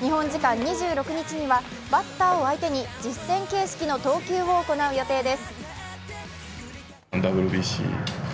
日本時間２６日にはバッターを相手に実戦形式の投球を行う予定です。